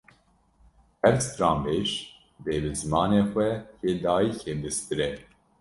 Her stranbêj, dê bi zimanê xwe yê dayikê bistirê